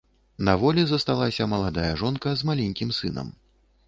На волі засталася маладая жонка з маленькім сынам.